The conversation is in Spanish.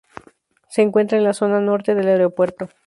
Se encuentra en la zona norte del aeropuerto.